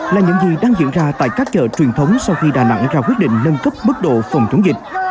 là những gì đang diễn ra tại các chợ truyền thống sau khi đà nẵng ra quyết định nâng cấp mức độ phòng chống dịch